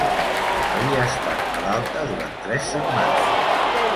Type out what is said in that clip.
Havia estat malalta durant tres setmanes.